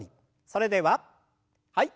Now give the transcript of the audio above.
それでははい。